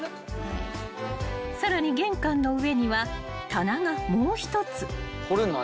［さらに玄関の上には棚がもう一つ］